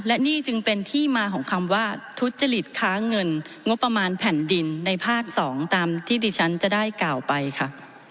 และนี่จึงเป็นที่มาของคำว่าทุจริตค้าเงินงบประมาณแผ่นดินในภาค๒ตามที่ดิฉันจะได้กล่าวไปค่ะ